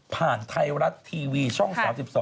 ไทยรัฐทีวีช่อง๓๒